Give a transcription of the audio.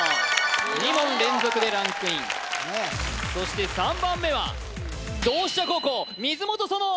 ２問連続でランクインそして３番目は同志社高校水本園乃！